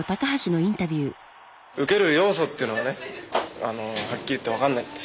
受ける要素っていうのはねはっきり言って分かんないんです。